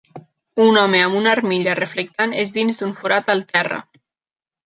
Un home amb una armilla reflectant és dins d'un forat al terra.